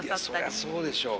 そりゃそうでしょう。